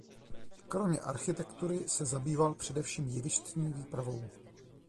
Kromě architektury se zabýval především jevištní výpravou.